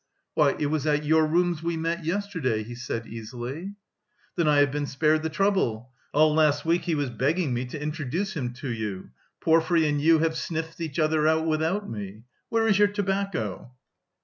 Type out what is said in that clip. "Why, it was at your rooms we met yesterday," he said easily. "Then I have been spared the trouble. All last week he was begging me to introduce him to you. Porfiry and you have sniffed each other out without me. Where is your tobacco?"